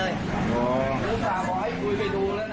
แย่